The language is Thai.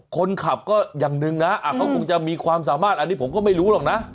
คนขับก็อย่างหนึ่งนะเขาคงจะมีความสามารถอันนี้ผมก็ไม่รู้หรอกนะ